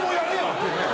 っていうね。